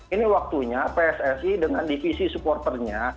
ini waktunya pssi dengan divisi supporternya